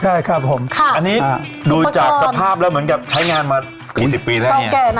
ใช่ครับผมอันนี้ดูจากสภาพแล้วเหมือนกับใช้งานมากี่สิบปีแล้วเนี่ย